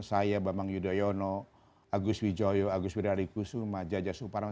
saya bambang yudhoyono agus wijoyo agus wira rikusuma jaja suparman